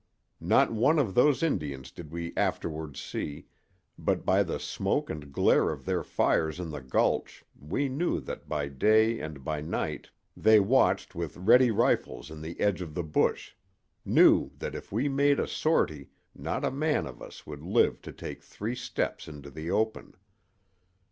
"Not one of those Indians did we afterward see, but by the smoke and glare of their fires in the gulch we knew that by day and by night they watched with ready rifles in the edge of the bush—knew that if we made a sortie not a man of us would live to take three steps into the open.